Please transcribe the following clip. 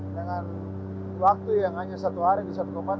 dengan waktu yang hanya satu hari di satu kompan